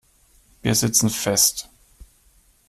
Wir sitzen fest.